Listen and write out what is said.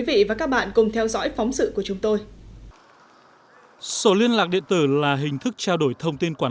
quý vị và các bạn cùng theo dõi phóng sự của chúng tôi sổ liên lạc điện tử là hình thức trao đổi thông tin quản